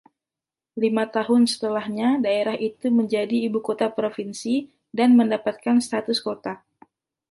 Lima tahun setelahnya daerah itu menjadi ibu kota provinsi dan mendapatkan status kota.